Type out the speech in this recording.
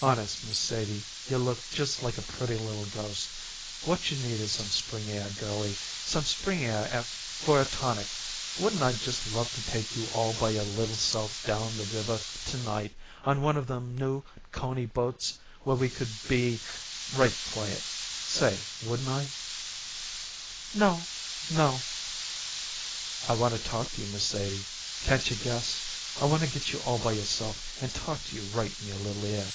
"Honest, Miss Sadie, you look just like a pretty little ghost. What you need is some spring air, girlie, some spring air for a tonic. Wouldn't I just love to take you all by your little self down the river to night on one of them new Coney boats, where we could be right quiet. Say, wouldn't I?" "No no!" "I wanna talk to you, Miss Sadie. Can't you guess? I wanna get you all by yourself and talk to you right in your little ear."